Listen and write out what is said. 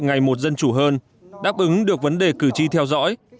ngày một dân chủ hơn đáp ứng được vấn đề cử tri theo dõi